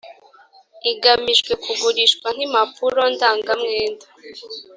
igamijwe kugurishwa nk impapuro ndangamwenda